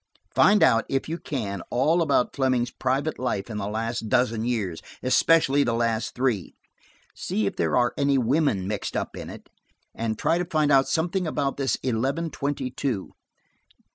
Find out, if you can, all about Fleming's private life in the last dozen years, especially the last three. See if there are any women mixed up in it, and try to find out something about this eleven twenty two."